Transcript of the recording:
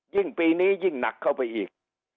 ปีนี้ยิ่งหนักเข้าไปอีก